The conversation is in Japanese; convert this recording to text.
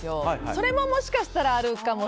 それも、もしかしたらあるかも。